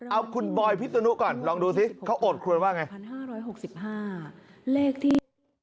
เอาคุณบอยพิษนุก่อนลองดูสิเขาโอดครวญว่าไง